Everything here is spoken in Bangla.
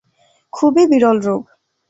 খুবই বিরল রোগ।